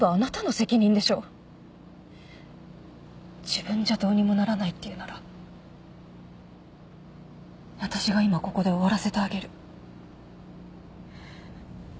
自分じゃどうにもならないって言うなら私が今ここで終わらせてあげる。